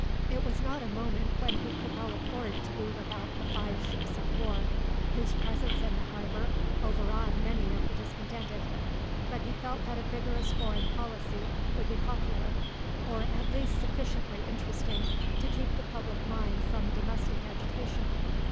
It was not a moment when he could well afford to be without the five ships of war whose presence in the harbour overawed many of the discontented; but he felt that a vigorous foreign policy would be popular, or at least sufficiently interesting to keep the public mind from domestic agitation.